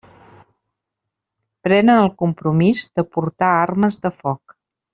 Prenen el compromís de portar armes de foc.